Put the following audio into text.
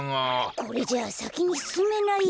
これじゃあさきにすすめないよ。